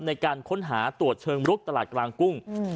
ในการค้นหาตรวจเชิงลุกตลาดกลางกุ้ง